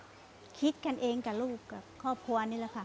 ก็คิดกันเองกับลูกกับครอบครัวนี่แหละค่ะ